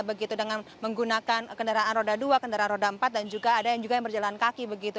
begitu dengan menggunakan kendaraan roda dua kendaraan roda empat dan juga ada yang juga yang berjalan kaki begitu